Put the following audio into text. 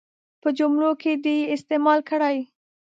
په جملو کې دې یې استعمال کړي.